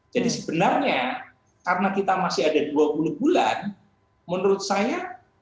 jadi sebenarnya karena kita masih ada dua puluh bulan menurut saya